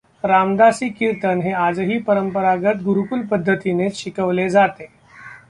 रामदासी कीर्तन हे आजही परंपरागत गुरुकुल पद्धतीनेच शिकविले जाते.